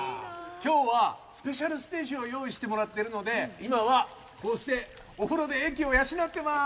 今日はスペシャルステージを用意してもらっているので今はこうしてお風呂で鋭気を養っています。